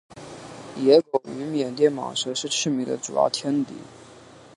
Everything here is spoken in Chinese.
野狗与缅甸蟒蛇是赤麂的主要天敌。